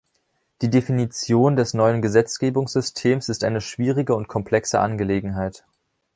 Die Definition des neuen Gesetzgebungssystems ist eine schwierige und komplexe Angelegenheit.